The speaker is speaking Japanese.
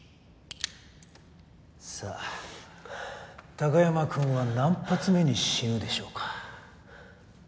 貴山君は何発目に死ぬでしょうか？